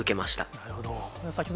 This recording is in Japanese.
なるほど。